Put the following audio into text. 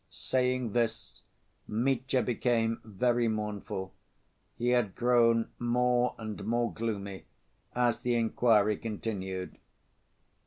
Saying this Mitya became very mournful. He had grown more and more gloomy as the inquiry continued.